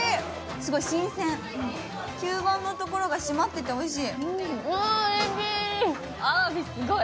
すごい新鮮、吸盤のところがしまってておいしい。